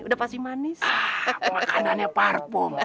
udah pasti manis apalagi warangi udah pasti manis